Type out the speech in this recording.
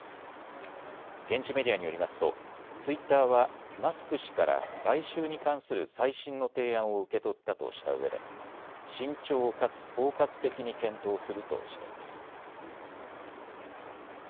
現地メディアによりますとツイッターはマスク氏から買収に関する最新の提案を受け取ったとしたうえで慎重かつ包括的に検討するとしています。